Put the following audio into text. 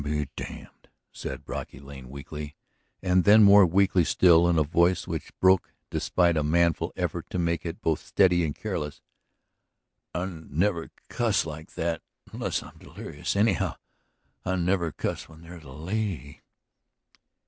"I'll be damned!" said Brocky Lane weakly. And then, more weakly still, in a voice which broke despite a manful effort to make it both steady and careless, "I never cuss like that unless I'm delerious, anyhow I never cuss when there's a lady.